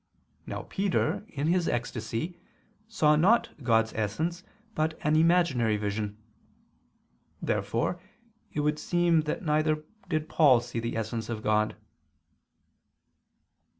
Now Peter, in his ecstasy, saw not God's essence but an imaginary vision. Therefore it would seem that neither did Paul see the essence of God.